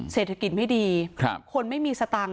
เศรษฐกิจไม่ดีคนไม่มีสตังค์